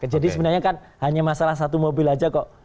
jadi sebenarnya kan hanya masalah satu mobil aja kok